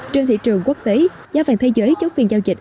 trên thị trường quốc tế giá vàng thế giới chốt phiên giao dịch